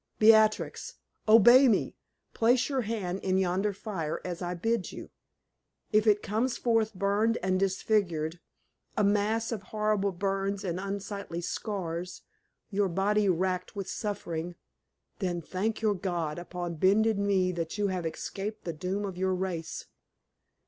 Beatrix, obey me; place your hand in yonder fire, as I bid you. If it comes forth burned and disfigured a mass of horrible burns and unsightly scars, your body racked with suffering, then thank your God upon bended knee that you have escaped the doom of your race.